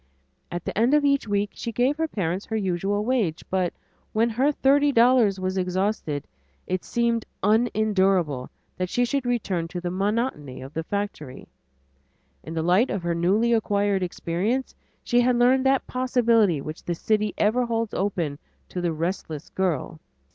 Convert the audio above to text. At the end of each week she gave her parents her usual wage, but when her thirty dollars was exhausted it seemed unendurable that she should return to the monotony of the factory. In the light of her newly acquired experience she had learned that possibility which the city ever holds open to the restless girl.